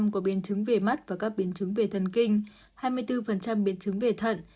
ba mươi chín năm có biến chứng về mắt và các biến chứng về thần kinh hai mươi bốn biến chứng về thận